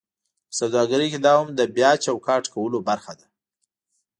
په سوداګرۍ کې دا هم د بیا چوکاټ کولو برخه ده: